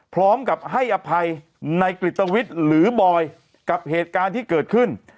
พร้อมกับให้อภัยในกริตวิทย์หรือบอยกับเหตุการณ์ที่เกิดขึ้น